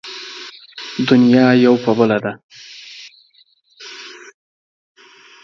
دنيا يو په بله ده.